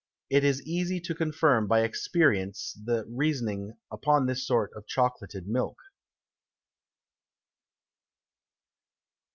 It is easy to confirm by Experience the Reasoning upon this sort of Chocolated Milk.